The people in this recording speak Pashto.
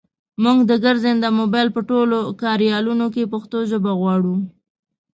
مونږ د ګرځنده مبایل په ټولو کاریالونو کې پښتو ژبه غواړو.